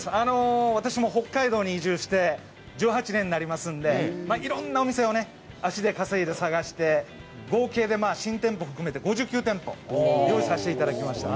私も北海道に移住して１８年になりますので、いろんなお店を足で稼いで探して、合計で新店舗含めて５９店舗を用意させていただきました。